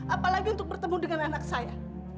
apalagi untuk bertemu dengan anak saya